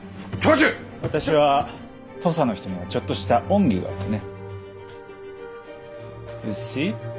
私は土佐の人にはちょっとした恩義があってね。